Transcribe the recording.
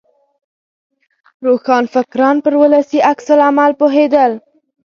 روښانفکران پر ولسي عکس العمل پوهېدل.